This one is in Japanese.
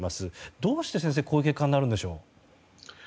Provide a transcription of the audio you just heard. どうして、先生こういう結果になるんでしょう。